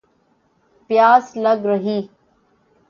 پیاس لَگ رہی